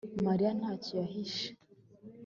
Mariya ntacyo ahishe